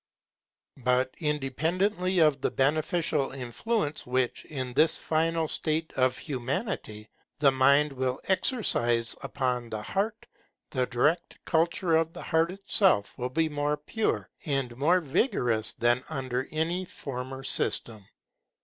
But independently of the beneficial influence which, in this final state of Humanity, the mind will exercise upon the heart, the direct culture of the heart itself will be more pure and more vigorous than under any former system.